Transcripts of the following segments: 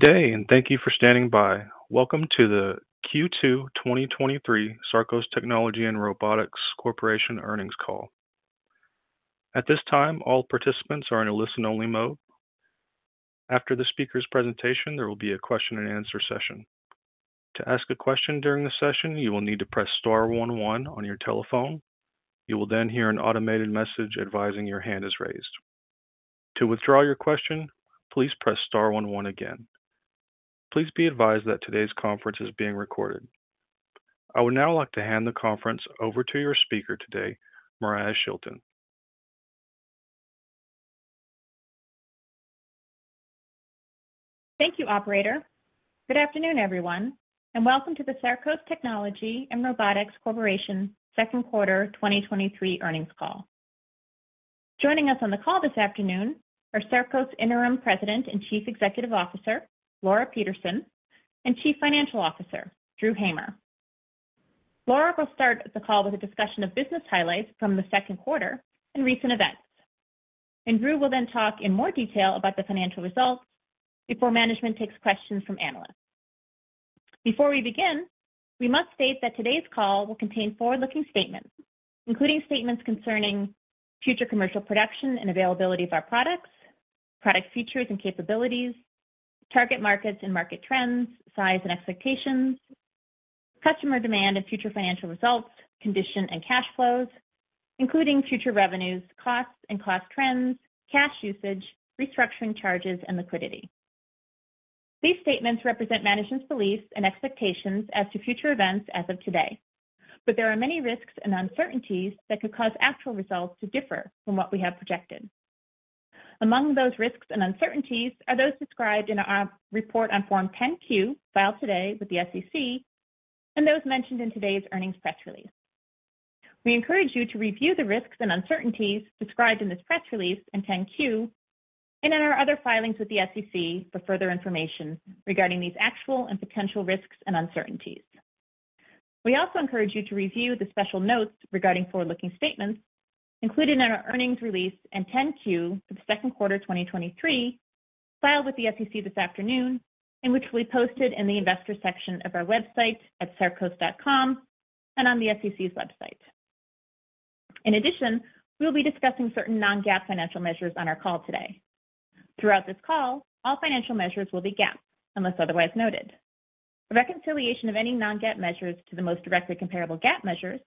Good day, and thank you for standing by. Welcome to the Q2 2023 Sarcos Technology and Robotics Corporation earnings call. At this time, all participants are in a listen-only mode. After the speaker's presentation, there will be a question-and-answer session. To ask a question during the session, you will need to press star one one on your telephone. You will then hear an automated message advising your hand is raised. To withdraw your question, please press star one one again. Please be advised that today's conference is being recorded. I would now like to hand the conference over to your speaker today, Moriah Shilton. Thank you, operator. Good afternoon, everyone, welcome to the Sarcos Technology and Robotics Corporation Q2 2023 earnings call. Joining us on the call this afternoon are Sarcos Interim President and Chief Executive Officer, Laura Peterson, Chief Financial Officer, Drew Hamer. Laura will start the call with a discussion of business highlights from the Q2 and recent events. Drew will then talk in more detail about the financial results before management takes questions from analysts. Before we begin, we must state that today's call will contain forward-looking statements, including statements concerning future commercial production and availability of our products, product features and capabilities, target markets and market trends, size and expectations, customer demand and future financial results, condition and cash flows, including future revenues, costs and cost trends, cash usage, restructuring charges, and liquidity. These statements represent management's beliefs and expectations as to future events as of today, but there are many risks and uncertainties that could cause actual results to differ from what we have projected. Among those risks and uncertainties are those described in our report on Form 10-Q, filed today with the SEC, and those mentioned in today's earnings press release. We encourage you to review the risks and uncertainties described in this press release and 10-Q and in our other filings with the SEC for further information regarding these actual and potential risks and uncertainties. We also encourage you to review the special notes regarding forward-looking statements included in our earnings release and 10-Q for the Q2 2023, filed with the SEC this afternoon, and which we posted in the investor section of our website at sarcos.com and on the SEC's website. In addition, we'll be discussing certain non-GAAP financial measures on our call today. Throughout this call, all financial measures will be GAAP, unless otherwise noted. A reconciliation of any non-GAAP measures to the most directly comparable GAAP measures,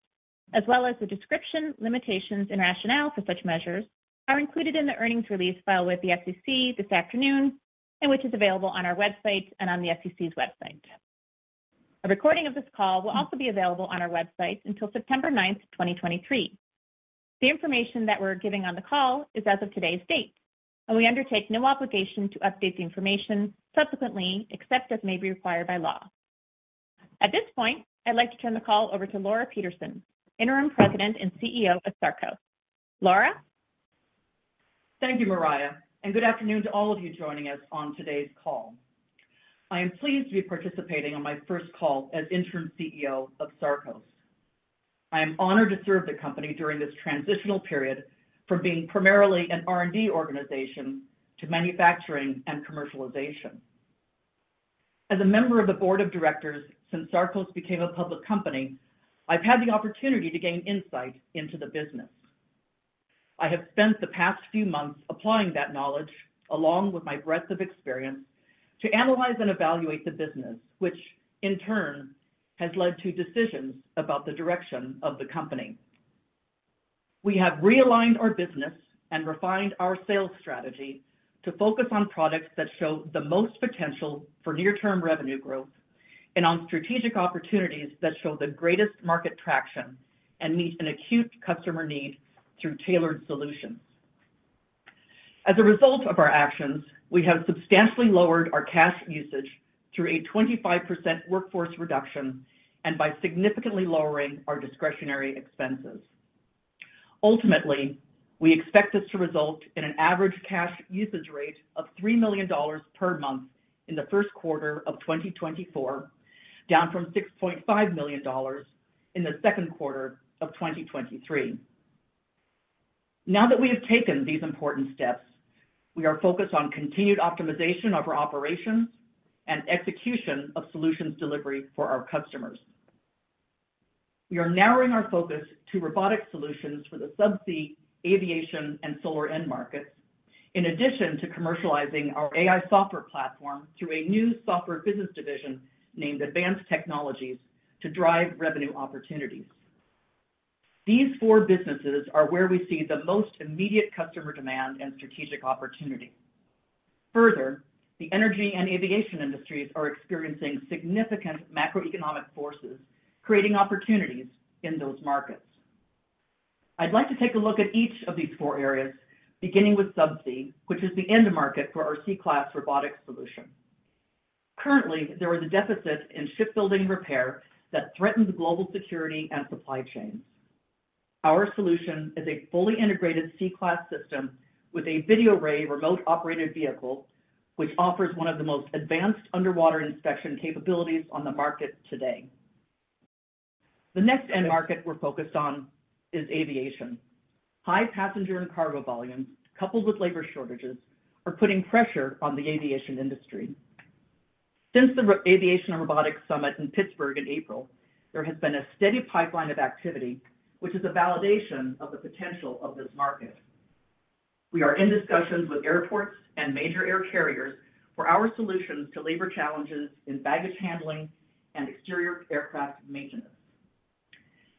as well as the description, limitations, and rationale for such measures, are included in the earnings release filed with the SEC this afternoon and which is available on our website and on the SEC's website. A recording of this call will also be available on our website until September 9, 2023. The information that we're giving on the call is as of today's date, and we undertake no obligation to update the information subsequently, except as may be required by law. At this point, I'd like to turn the call over to Laura Peterson, Interim President and CEO of Sarcos. Laura? Thank you, Moriah, and good afternoon to all of you joining us on today's call. I am pleased to be participating on my first call as Interim CEO of Sarcos. I am honored to serve the company during this transitional period from being primarily an R&D organization to manufacturing and commercialization. As a member of the board of directors since Sarcos became a public company, I've had the opportunity to gain insight into the business. I have spent the past few months applying that knowledge, along with my breadth of experience, to analyze and evaluate the business, which in turn has led to decisions about the direction of the company. We have realigned our business and refined our sales strategy to focus on products that show the most potential for near-term revenue growth and on strategic opportunities that show the greatest market traction and meet an acute customer need through tailored solutions. As a result of our actions, we have substantially lowered our cash usage through a 25% workforce reduction and by significantly lowering our discretionary expenses. Ultimately, we expect this to result in an average cash usage rate of $3 million per month in the Q1 of 2024, down from $6.5 million in the Q2 of 2023. Now that we have taken these important steps, we are focused on continued optimization of our operations and execution of solutions delivery for our customers. We are narrowing our focus to robotic solutions for the subsea, aviation, and solar end markets, in addition to commercializing our AI software platform through a new software business division named Advanced Technologies to drive revenue opportunities. These four businesses are where we see the most immediate customer demand and strategic opportunity. Further, the energy and aviation industries are experiencing significant macroeconomic forces, creating opportunities in those markets. I'd like to take a look at each of these four areas, beginning with subsea, which is the end market for our C-Class robotics solution. Currently, there is a deficit in shipbuilding repair that threatens global security and supply chains. Our solution is a fully integrated C-Class system with a VideoRay remote-operated vehicle, which offers one of the most advanced underwater inspection capabilities on the market today. The next end market we're focused on is aviation. High passenger and cargo volumes, coupled with labor shortages, are putting pressure on the aviation industry. Since the Aviation & Robotics Summit in Pittsburgh in April, there has been a steady pipeline of activity, which is a validation of the potential of this market. We are in discussions with airports and major air carriers for our solutions to labor challenges in baggage handling and exterior aircraft maintenance.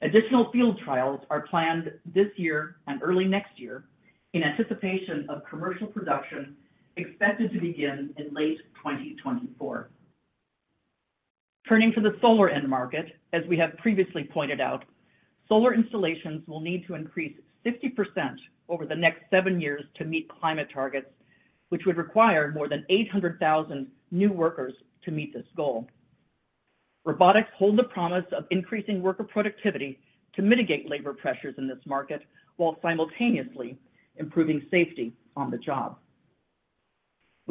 Additional field trials are planned this year and early next year in anticipation of commercial production, expected to begin in late 2024. Turning to the solar end market, as we have previously pointed out, solar installations will need to increase 50% over the next seven years to meet climate targets, which would require more than 800,000 new workers to meet this goal. Robotics hold the promise of increasing worker productivity to mitigate labor pressures in this market, while simultaneously improving safety on the job. We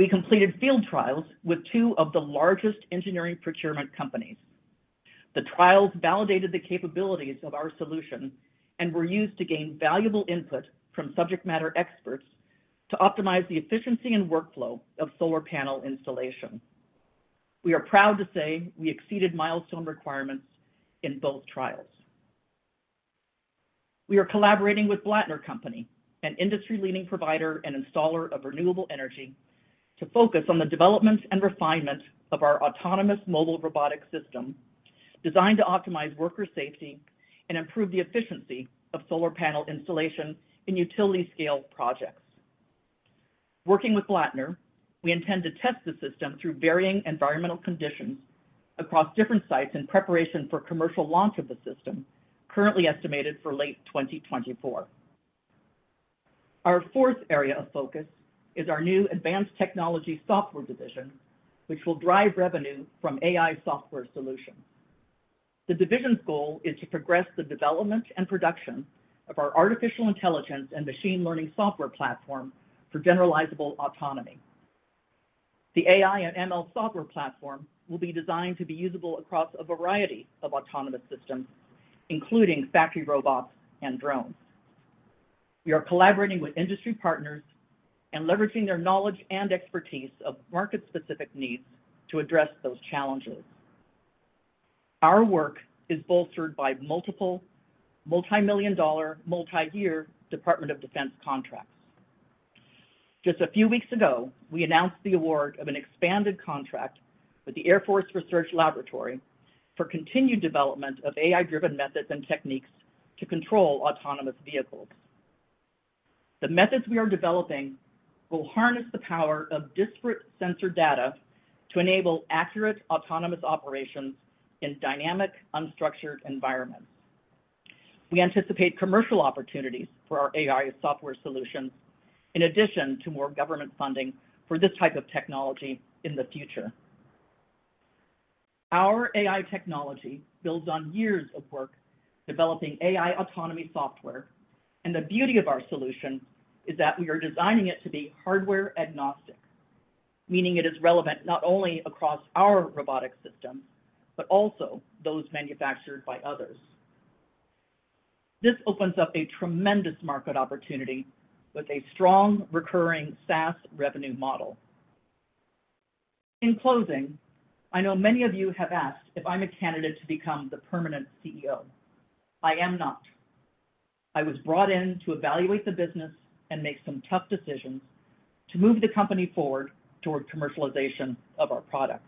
completed field trials with two of the largest engineering procurement companies. The trials validated the capabilities of our solution and were used to gain valuable input from subject matter experts to optimize the efficiency and workflow of solar panel installation. We are proud to say we exceeded milestone requirements in both trials. We are collaborating with Blattner Company, an industry-leading provider and installer of renewable energy, to focus on the development and refinement of our autonomous mobile robotic system, designed to optimize worker safety and improve the efficiency of solar panel installation in utility-scale projects. Working with Blattner, we intend to test the system through varying environmental conditions across different sites in preparation for commercial launch of the system, currently estimated for late 2024. Our fourth area of focus is our new Advanced Technologies software division, which will drive revenue from AI software solutions. The division's goal is to progress the development and production of our artificial intelligence and machine learning software platform for generalizable autonomy. The AI and ML software platform will be designed to be usable across a variety of autonomous systems, including factory robots and drones. We are collaborating with industry partners and leveraging their knowledge and expertise of market-specific needs to address those challenges. Our work is bolstered by multiple multi-million dollar, multi-year Department of Defense contracts. Just a few weeks ago, we announced the award of an expanded contract with the Air Force Research Laboratory for continued development of AI-driven methods and techniques to control autonomous vehicles. The methods we are developing will harness the power of disparate sensor data to enable accurate, autonomous operations in dynamic, unstructured environments. We anticipate commercial opportunities for our AI software solutions, in addition to more government funding for this type of technology in the future. Our AI technology builds on years of work developing AI autonomy software. The beauty of our solution is that we are designing it to be hardware agnostic, meaning it is relevant not only across our robotic systems, but also those manufactured by others. This opens up a tremendous market opportunity with a strong, recurring SaaS revenue model. In closing, I know many of you have asked if I'm a candidate to become the permanent CEO. I am not. I was brought in to evaluate the business and make some tough decisions to move the company forward toward commercialization of our products.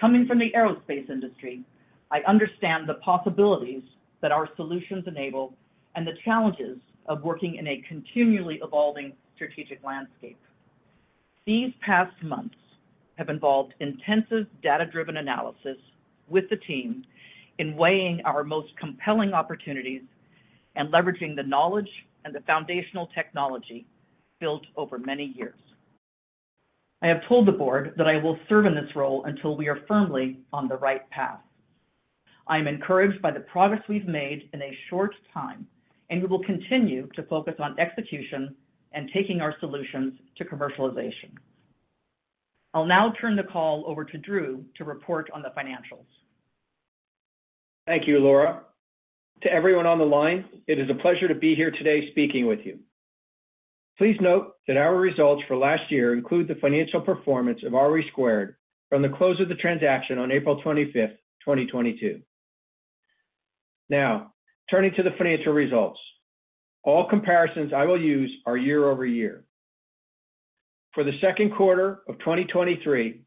Coming from the aerospace industry, I understand the possibilities that our solutions enable and the challenges of working in a continually evolving strategic landscape. These past months have involved intensive data-driven analysis with the team in weighing our most compelling opportunities and leveraging the knowledge and the foundational technology built over many years. I have told the board that I will serve in this role until we are firmly on the right path. I am encouraged by the progress we've made in a short time, and we will continue to focus on execution and taking our solutions to commercialization. I'll now turn the call over to Drew to report on the financials. Thank you, Laura. To everyone on the line, it is a pleasure to be here today speaking with you. Please note that our results for last year include the financial performance of RE2 from the close of the transaction on April 25th, 2022. Now, turning to the financial results. All comparisons I will use are year-over-year. For the Q2 of 2023,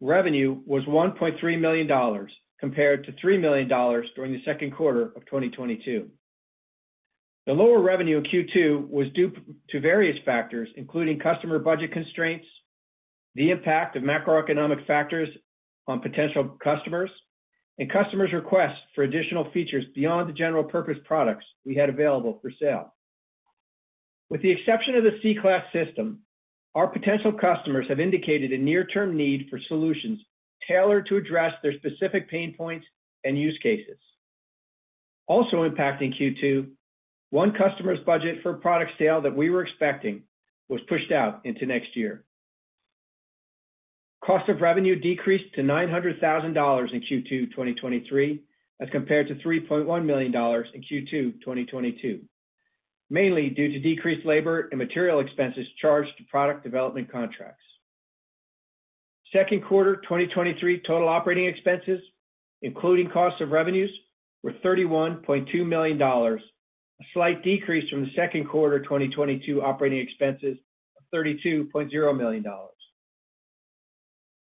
revenue was $1.3 million, compared to $3 million during the Q2 of 2022. The lower revenue in Q2 was due to various factors, including customer budget constraints, the impact of macroeconomic factors on potential customers, and customers' requests for additional features beyond the general purpose products we had available for sale. With the exception of the C-Class system, our potential customers have indicated a near-term need for solutions tailored to address their specific pain points and use cases. Also impacting Q2, one customer's budget for a product sale that we were expecting was pushed out into next year. Cost of revenue decreased to $900,000 in Q2 2023, as compared to $3.1 million in Q2 2022, mainly due to decreased labor and material expenses charged to product development contracts. Q2 2023 total operating expenses, including cost of revenues, were $31.2 million, a slight decrease from the Q2 2022 operating expenses of $32.0 million.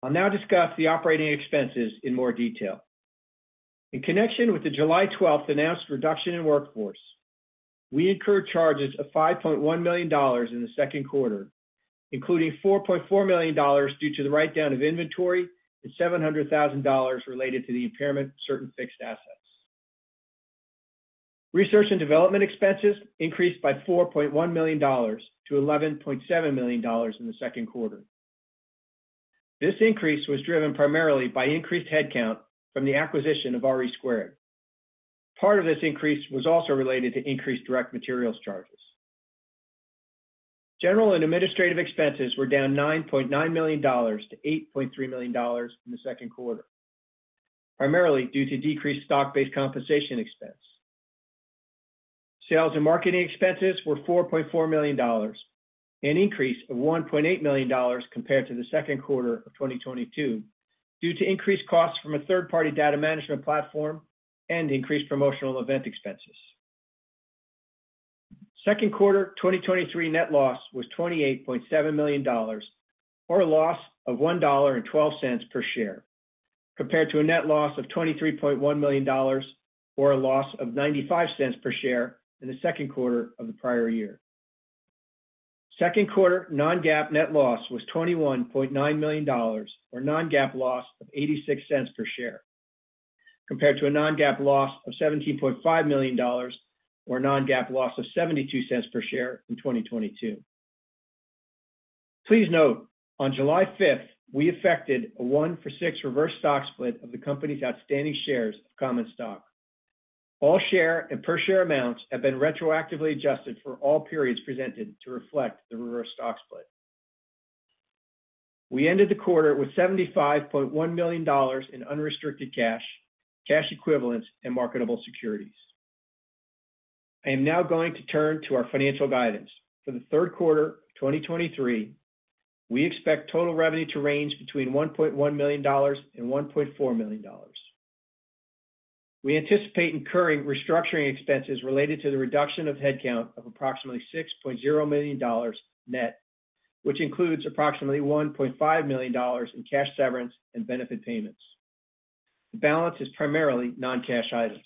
I'll now discuss the operating expenses in more detail. In connection with the July 12th announced reduction in workforce, we incurred charges of $5.1 million in the Q2, including $4.4 million due to the write-down of inventory and $700,000 related to the impairment of certain fixed assets. Research and development expenses increased by $4.1 million to $11.7 million in the Q2. This increase was driven primarily by increased headcount from the acquisition of RE2. Part of this increase was also related to increased direct materials charges. General and administrative expenses were down $9.9 million to $8.3 million in the Q2, primarily due to decreased stock-based compensation expense. Sales and marketing expenses were $4.4 million, an increase of $1.8 million compared to the Q2 of 2022, due to increased costs from a third-party data management platform and increased promotional event expenses. Q2 2023 net loss was $28.7 million, or a loss of $1.12 per share, compared to a net loss of $23.1 million, or a loss of $0.95 per share in the Q2 of the prior year. Q2 non-GAAP net loss was $21.9 million, or non-GAAP loss of $0.86 per share, compared to a non-GAAP loss of $17.5 million or non-GAAP loss of $0.72 per share in 2022. Please note, on July 5th, we affected a one-for-six reverse stock split of the company's outstanding shares of common stock. All share and per share amounts have been retroactively adjusted for all periods presented to reflect the reverse stock split. We ended the quarter with $75.1 million in unrestricted cash, cash equivalents, and marketable securities. I am now going to turn to our financial guidance. For the Q3 2023, we expect total revenue to range between $1.1 million and $1.4 million. We anticipate incurring restructuring expenses related to the reduction of headcount of approximately $6.0 million net, which includes approximately $1.5 million in cash severance and benefit payments. The balance is primarily non-cash items.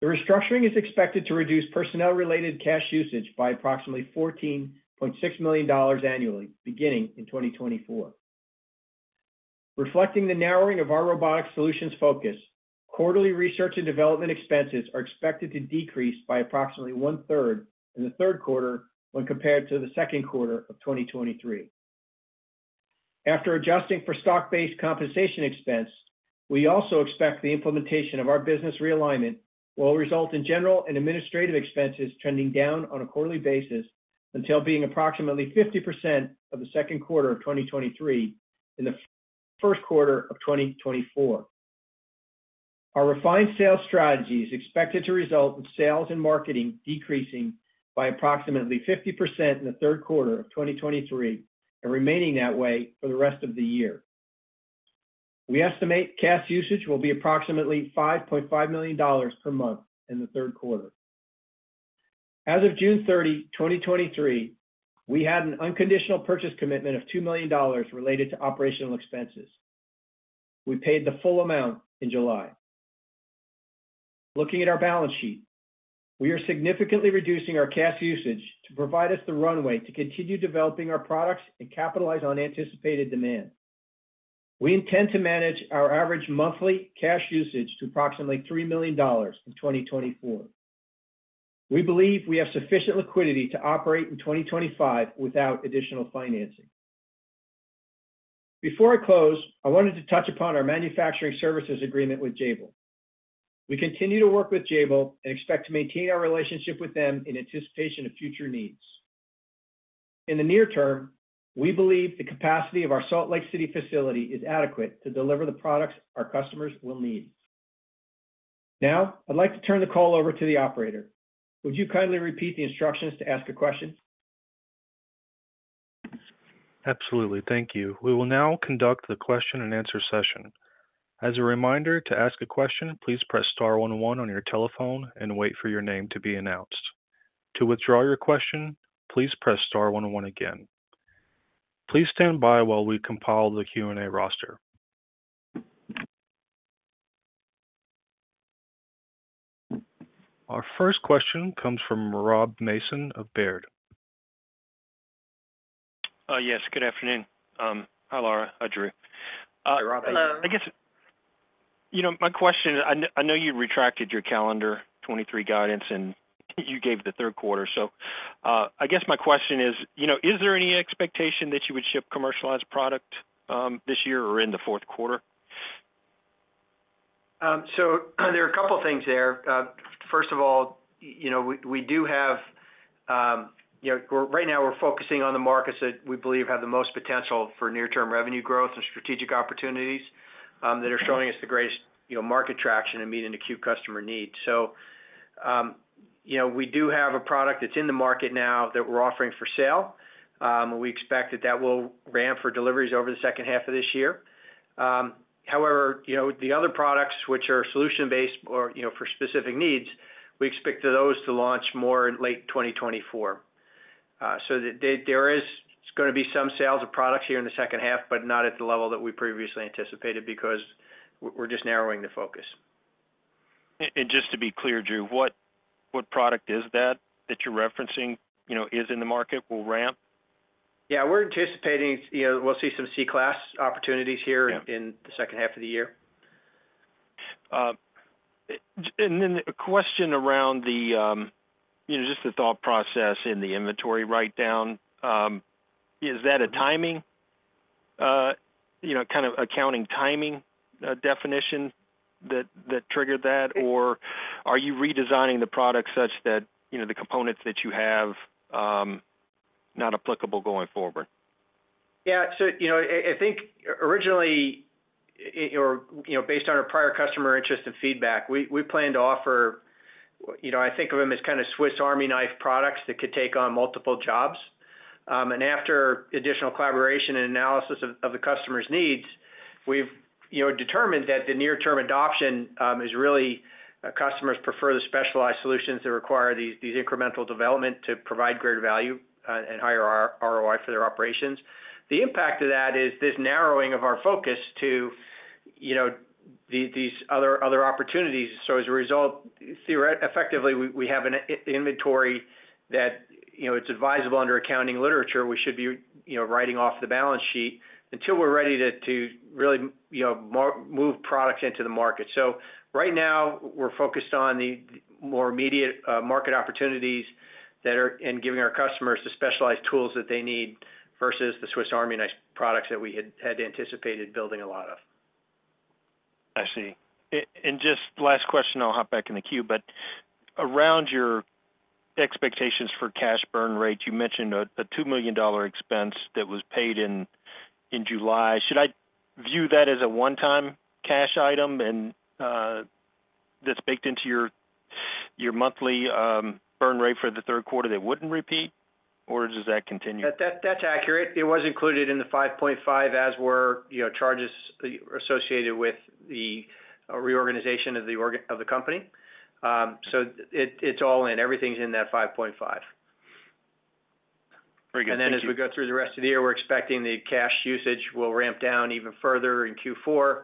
The restructuring is expected to reduce personnel-related cash usage by approximately $14.6 million annually, beginning in 2024. Reflecting the narrowing of our robotic solutions focus, quarterly research and development expenses are expected to decrease by approximately one-third in the Q3 when compared to the Q2 of 2023. After adjusting for stock-based compensation expense, we also expect the implementation of our business realignment will result in general and administrative expenses trending down on a quarterly basis until being approximately 50% of the Q2 of 2023 in the Q1 of 2024. Our refined sales strategy is expected to result in sales and marketing decreasing by approximately 50% in the Q3 of 2023 and remaining that way for the rest of the year. We estimate cash usage will be approximately $5.5 million per month in the Q3. As of June 30, 2023, we had an unconditional purchase commitment of $2 million related to operational expenses. We paid the full amount in July. Looking at our balance sheet, we are significantly reducing our cash usage to provide us the runway to continue developing our products and capitalize on anticipated demand. We intend to manage our average monthly cash usage to approximately $3 million in 2024. We believe we have sufficient liquidity to operate in 2025 without additional financing. Before I close, I wanted to touch upon our manufacturing services agreement with Jabil. We continue to work with Jabil and expect to maintain our relationship with them in anticipation of future needs. In the near term, we believe the capacity of our Salt Lake City facility is adequate to deliver the products our customers will need. I'd like to turn the call over to the operator. Would you kindly repeat the instructions to ask a question? Absolutely. Thank you. We will now conduct the question-and-answer session. As a reminder, to ask a question, please press star one one on your telephone and wait for your name to be announced. To withdraw your question, please press star one one again. Please stand by while we compile the Q&A roster. Our first question comes from Rob Mason of Baird. Yes, good afternoon. Hi, Laura. Hi, Drew. Hi, Rob. Hello. I guess, you know, my question, I know, I know you retracted your calendar 2023 guidance, and you gave the Q3. I guess my question is, you know, is there any expectation that you would ship commercialized product, this year or in the Q4? There are a couple things there. First of all, you know, we, we do have, you know, right now we're focusing on the markets that we believe have the most potential for near-term revenue growth and strategic opportunities, that are showing us the greatest, you know, market traction and meeting acute customer needs. You know, we do have a product that's in the market now that we're offering for sale. We expect that that will ramp for deliveries over the second half of this year. The other products, which are solution-based or, you know, for specific needs, we expect those to launch more in late 2024. There, there is gonna be some sales of products here in the second half, but not at the level that we previously anticipated because we're just narrowing the focus. Just to be clear, Drew, what, what product is that, that you're referencing, you know, is in the market, will ramp? Yeah, we're anticipating, you know, we'll see some C-Class opportunities here. Yeah In the second half of the year. Then a question around the, you know, just the thought process in the inventory write-down. Is that a timing, you know, kind of accounting timing, definition that, that triggered that, or are you redesigning the product such that, you know, the components that you have, not applicable going forward? Yeah, you know, I, I think originally, or, you know, based on our prior customer interest and feedback, we, we planned to offer, you know, I think of them as kind of Swiss Army knife products that could take on multiple jobs. After additional collaboration and analysis of, of the customer's needs, we've, you know, determined that the near-term adoption is really customers prefer the specialized solutions that require these, these incremental development to provide greater value and higher RO-ROI for their operations. The impact of that is this narrowing of our focus to, you know, these other, other opportunities. As a result, effectively, we, we have an inventory that, you know, it's advisable under accounting literature, we should be, you know, writing off the balance sheet until we're ready to, to really, you know, move products into the market. Right now, we're focused on the more immediate market opportunities that are giving our customers the specialized tools that they need, versus the Swiss Army knife products that we had, had anticipated building a lot of. I see. And just last question, I'll hop back in the queue, but around your expectations for cash burn rate, you mentioned a, a $2 million expense that was paid in, in July. Should I view that as a one-time cash item and that's baked into your, your monthly burn rate for the Q3, that wouldn't repeat, or does that continue? That, that's accurate. It was included in the $5.5, as were, you know, charges associated with the reorganization of the company. It, it's all in. Everything's in that $5.5. Very good. Thank you. As we go through the rest of the year, we're expecting the cash usage will ramp down even further in Q4,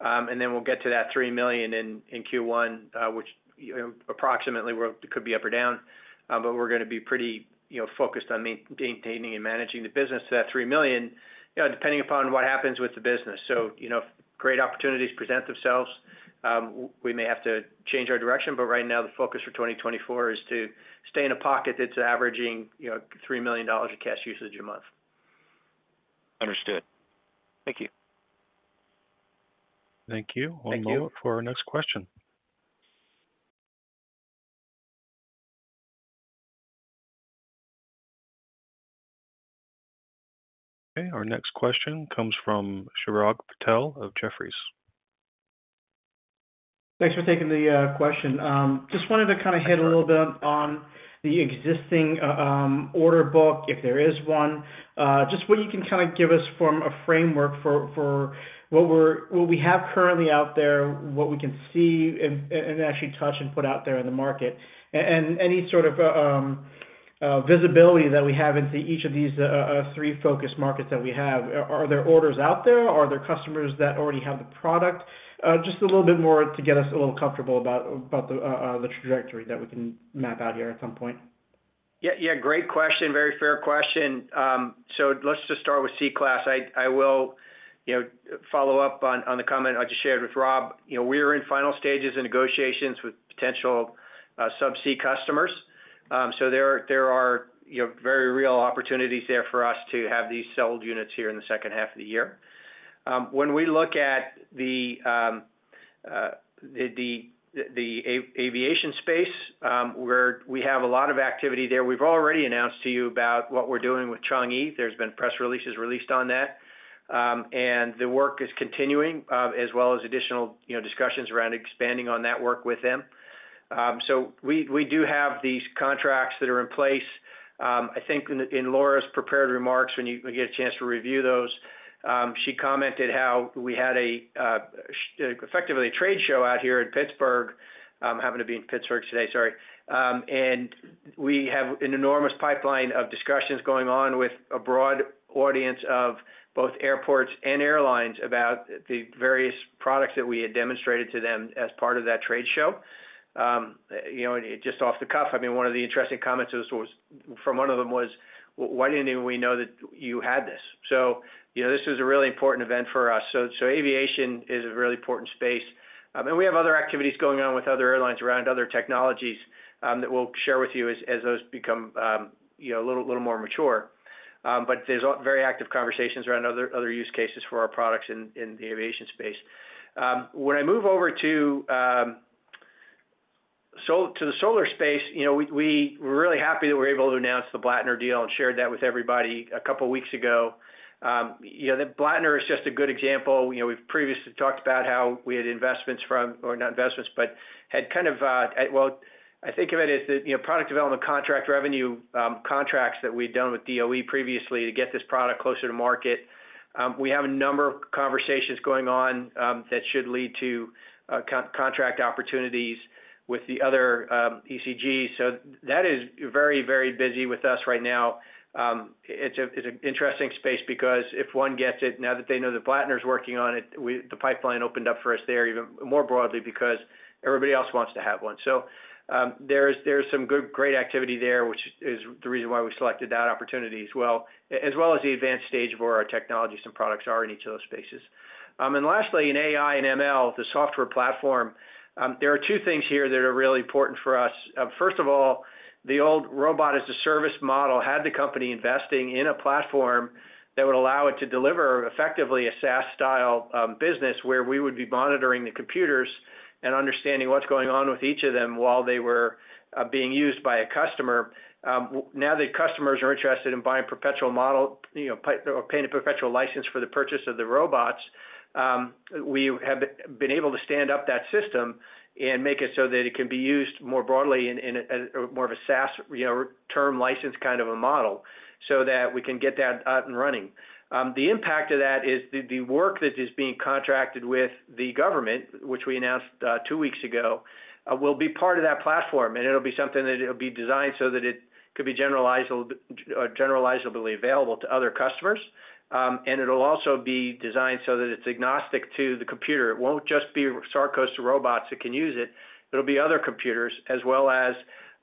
and then we'll get to that $3 million in Q1, which, you know, approximately could be up or down. We're gonna be pretty, you know, focused on maintaining and managing the business to that $3 million, you know, depending upon what happens with the business. If great opportunities present themselves, we may have to change our direction, but right now, the focus for 2024 is to stay in a pocket that's averaging, you know, $3 million of cash usage a month. Understood. Thank you. Thank you. Thank you. One moment for our next question. Our next question comes from Chirag Patel of Jefferies. Thanks for taking the question. Just wanted to kind of hit a little bit on the existing order book, if there is one. Just what you can kind of give us from a framework for what we have currently out there, what we can see and actually touch and put out there in the market. Any sort of visibility that we have into each of these three focus markets that we have. Are there orders out there? Are there customers that already have the product? Just a little bit more to get us a little comfortable about, about the trajectory that we can map out here at some point. Yeah, yeah, great question. Very fair question. So let's just start with C-Class. I, I will, you know, follow up on, on the comment I just shared with Rob. You know, we are in final stages of negotiations with potential subsea customers. So there, there are, you know, very real opportunities there for us to have these sold units here in the second half of the year. When we look at the aviation space, we have a lot of activity there. We've already announced to you about what we're doing with Changi. There's been press releases released on that. And the work is continuing, as well as additional, you know, discussions around expanding on that work with them. So we, we do have these contracts that are in place. I think in, in Laura's prepared remarks, when you get a chance to review those, she commented how we had effectively, a trade show out here in Pittsburgh. Happened to be in Pittsburgh today, sorry. We have an enormous pipeline of discussions going on with a broad audience of both airports and airlines about the various products that we had demonstrated to them as part of that trade show. You know, just off the cuff, I mean, one of the interesting comments was, from one of them was: "Why didn't even we know that you had this?" You know, this is a really important event for us. Aviation is a really important space. We have other activities going on with other airlines around other technologies that we'll share with you as as those become a little, little more mature. There's very active conversations around other, other use cases for our products in the aviation space. When I move over to the solar space, we're really happy that we're able to announce the Blattner deal and shared that with everybody a couple of weeks ago. The Blattner is just a good example. We've previously talked about how we had investments from, or not investments, but had kind of, well, I think of it as the product development contract revenue, contracts that we've done with DOE previously to get this product closer to market. We have a number of conversations going on that should lead to con-contract opportunities with the other ECG. That is very, very busy with us right now. It's a, it's an interesting space because if one gets it, now that they know that Blattner is working on it, we-- the pipeline opened up for us there even more broadly because everybody else wants to have one. There's, there's some good, great activity there, which is the reason why we selected that opportunity as well, as well as the advanced stage of where our technologies and products are in each of those spaces. Lastly, in AI and ML, the software platform, there are two things here that are really important for us. First of all, the old Robot as a Service model had the company investing in a platform that would allow it to deliver effectively a SaaS style business, where we would be monitoring the computers and understanding what's going on with each of them while they were being used by a customer. Now that customers are interested in buying perpetual model, you know, or paying a perpetual license for the purchase of the robots, we have been able to stand up that system and make it so that it can be used more broadly in, in a more of a SaaS, you know, term license kind of a model so that we can get that up and running. The impact of that is the work that is being contracted with the government, which we announced two weeks ago, will be part of that platform, and it'll be something that it'll be designed so that it could be generalizable, generalizably available to other customers. It'll also be designed so that it's agnostic to the computer. It won't just be Sarcos robots that can use it, it'll be other computers as well as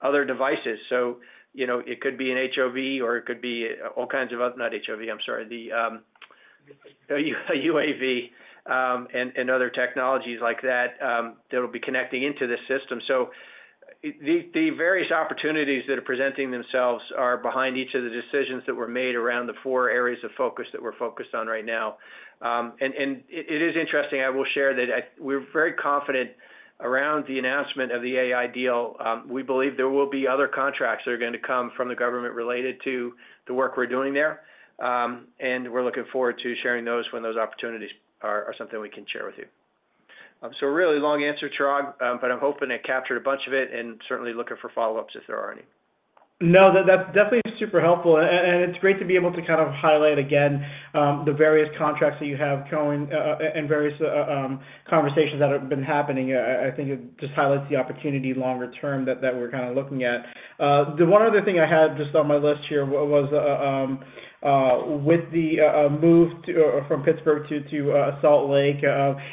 other devices. So, you know, it could be an HOV, or it could be all kinds of other... Not HOV, I'm sorry, the UAV, and other technologies like that, that will be connecting into the system. The various opportunities that are presenting themselves are behind each of the decisions that were made around the four areas of focus that we're focused on right now. And it is interesting, I will share that we're very confident around the announcement of the AI deal. We believe there will be other contracts that are going to come from the government related to the work we're doing there. We're looking forward to sharing those when those opportunities are, are something we can share with you. Really long answer, Chirag, but I'm hoping it captured a bunch of it and certainly looking for follow-ups if there are any. No, that definitely super helpful. It's great to be able to kind of highlight again, the various contracts that you have going, and various conversations that have been happening. I think it just highlights the opportunity longer term that we're kind of looking at. The one other thing I had just on my list here was with the move to, from Pittsburgh to Salt Lake,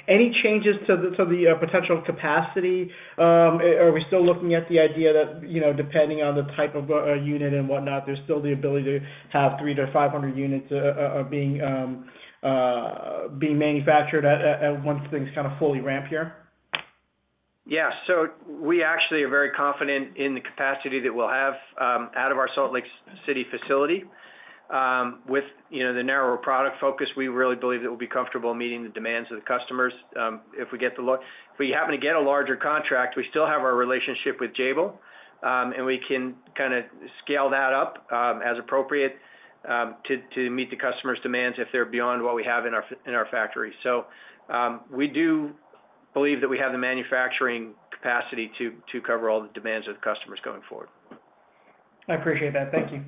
any changes to the potential capacity? Are we still looking at the idea that, you know, depending on the type of unit and whatnot, there's still the ability to have 300-500 units being manufactured at once things kind of fully ramp here? Yeah. We actually are very confident in the capacity that we'll have out of our Salt Lake City facility. With, you know, the narrower product focus, we really believe that we'll be comfortable meeting the demands of the customers. If we happen to get a larger contract, we still have our relationship with Jabil, and we can kinda scale that up as appropriate to meet the customer's demands if they're beyond what we have in our, in our factory. We do believe that we have the manufacturing capacity to cover all the demands of the customers going forward. I appreciate that. Thank you.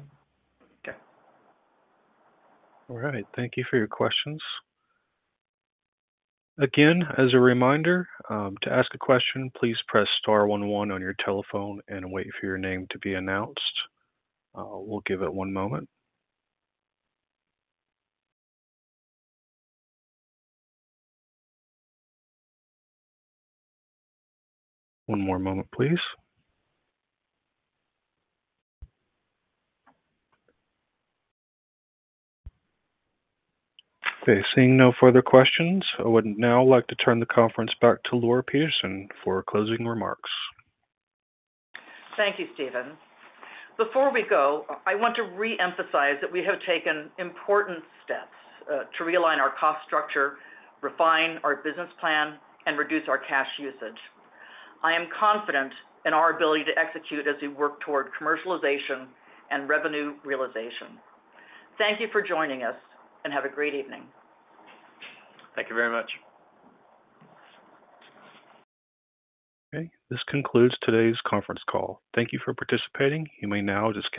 Okay. All right. Thank you for your questions. Again, as a reminder, to ask a question, please press star one one on your telephone and wait for your name to be announced. We'll give it one moment. One more moment, please. Okay, seeing no further questions, I would now like to turn the conference back to Laura Peterson for closing remarks. Thank you, Steven. Before we go, I want to reemphasize that we have taken important steps to realign our cost structure, refine our business plan, and reduce our cash usage. I am confident in our ability to execute as we work toward commercialization and revenue realization. Thank you for joining us, and have a great evening. Thank you very much. Okay, this concludes today's conference call. Thank you for participating. You may now disconnect.